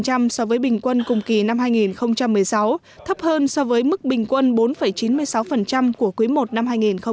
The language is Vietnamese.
so với bình quân cùng kỳ năm hai nghìn một mươi sáu thấp hơn so với mức bình quân bốn chín mươi sáu của quý i năm hai nghìn một mươi tám